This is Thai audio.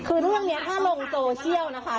คือเรื่องนี้ถ้าลงโซเชียลนะคะ